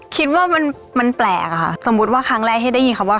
คิดว่ามันแปลกอะค่ะสมมุติว่าครั้งแรกให้ได้ยินคำว่า